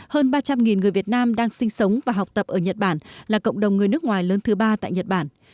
hơn ba trăm linh người việt nam đang sinh sống và học tập ở nhật bản là cộng đồng người nước ngoài lớn thứ ba tại nhật bản